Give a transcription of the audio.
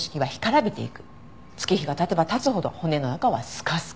月日が経てば経つほど骨の中はスカスカ。